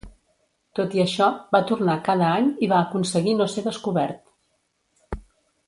Tot i això, va tornar cada any i va aconseguir no ser descobert.